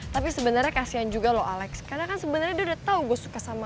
tapi sebenarnya kasian juga loh alex karena kan sebenarnya dia udah tau gue suka sama